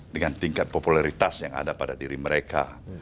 dengan tingkat popularitas yang ada pada diri mereka